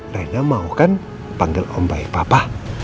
rena mau kan panggil om baik papa